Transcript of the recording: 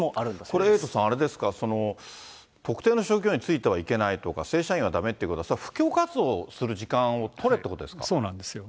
これエイトさん、あれですか、特定の職業に就いてはいけないとか、正社員はだめっていうことは、それは布教活動する時間を取れとそうなんですよ。